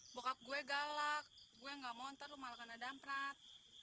bokap gue galak gue gak monter lu malah kena damprat